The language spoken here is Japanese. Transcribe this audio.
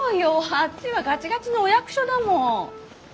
あっちはガチガチのお役所だもん。